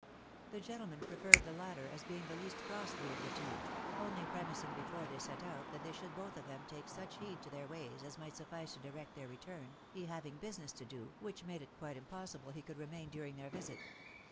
The gentleman preferred the latter, as being the least costly of the two ; only premising before they set out that they should both of them take such heed to their ways as might suffice to direct their return, he having business to do, which made it quite impossible he could remain during their visit.